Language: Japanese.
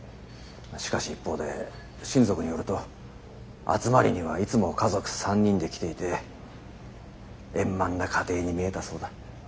しかし一方で親族によると集まりにはいつも家族３人で来ていて円満な家庭に見えたそうだ。